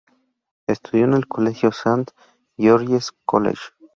Estudió en el Colegio Saint George's College.